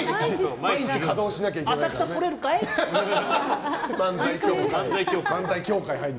毎日稼働しなきゃいけないから。